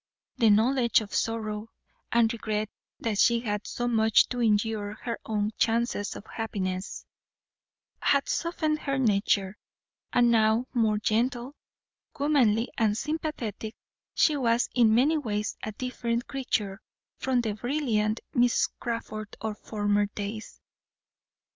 The knowledge of sorrow, and regret that she had so much to injure her own chances of happiness, had softened her nature, and now, more gentle, womanly and sympathetic, she was in many ways a different creature from the brilliant Miss Crawford of former days.